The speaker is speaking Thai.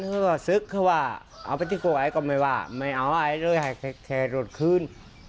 เพื่อสึกเข้าว่าเอาไปที่โกรธไอ้ก็ไม่ว่าไม่เอาไอ้ด้วยให้โดดคืน